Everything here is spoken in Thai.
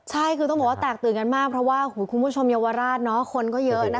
ใช่คือต้องบอกว่าแตกตื่นกันมากเพราะว่าคุณผู้ชมเยาวราชคนก็เยอะนะคะ